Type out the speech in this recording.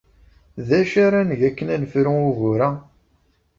D acu ara neg akken ad nefru ugur-a?